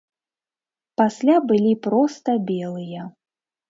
Пасля былі проста белыя.